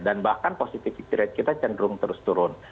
dan bahkan positivity rate kita cenderung terus turun